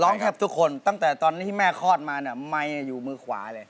ร้องแทบทุกคนตั้งแต่ตอนที่แม่คลอดมาไม้อยู่มือขวาเลย